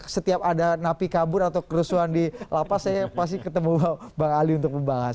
setiap ada napi kabur atau kerusuhan di lapas saya pasti ketemu bang ali untuk membahas